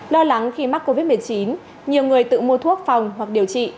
lo lắng khi mắc covid một mươi chín nhiều người tự mua thuốc phòng hoặc điều trị